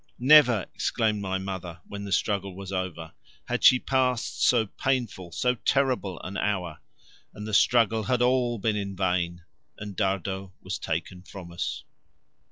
Never, exclaimed my mother, when the struggle was over, had she passed so painful, so terrible, an hour! And the struggle had all been in vain, and Dardo was taken from us.